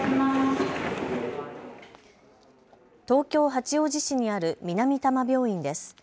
東京八王子市にある南多摩病院です。